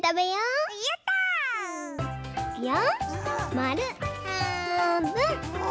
まるはんぶん！